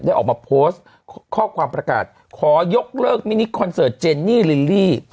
ออกมาโพสต์ข้อความประกาศขอยกเลิกมินิคอนเสิร์ตเจนนี่ลิลลี่